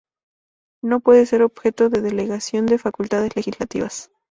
No pueden ser objeto de delegación de facultades legislativas.